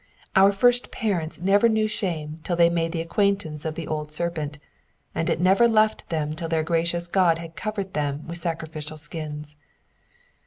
Our first parents never knew shame till they made the acquaintance of the old serpent, and it never left them till their gracious God had covered them with sacrificial skins.